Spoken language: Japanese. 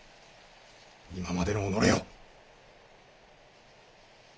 今までの己を！